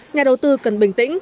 nhà đầu tư cần bình tĩnh